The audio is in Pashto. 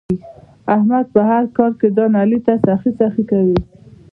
احمد په هر کار کې ځان علي ته سخی سخی کوي.